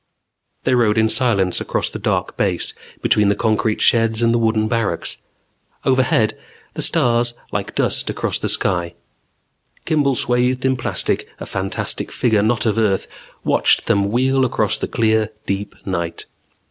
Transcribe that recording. They rode in silence, across the dark Base, between the concrete sheds and the wooden barracks. Overhead, the stars like dust across the sky. Kimball, swathed in plastic, a fantastic figure not of earth, watched them wheel across the clear, deep night.